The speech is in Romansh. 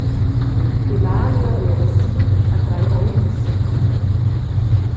Emalio leva si e trai ora il lismer.